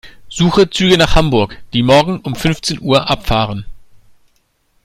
Suche Züge nach Hamburg, die morgen um fünfzehn Uhr abfahren.